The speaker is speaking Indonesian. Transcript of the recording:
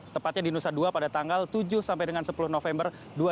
tepatnya di nusa dua pada tanggal tujuh sampai dengan sepuluh november dua ribu dua puluh